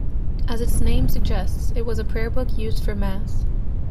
As its name suggests, it was a prayer book used for Mass.